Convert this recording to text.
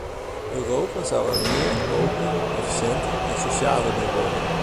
Europa zou er meer open, efficiënter en socialer door worden.